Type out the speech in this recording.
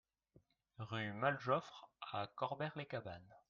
Rue Mal Joffre à Corbère-les-Cabanes